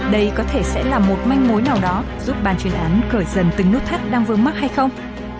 đây có thể sẽ là một manh mối nào đó giúp ban chuyên án khởi dần từng nút thắt đang vướng mắt hay không